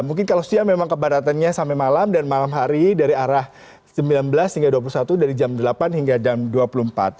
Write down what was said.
mungkin kalau siang memang kebaratannya sampai malam dan malam hari dari arah sembilan belas hingga dua puluh satu dari jam delapan hingga jam dua puluh empat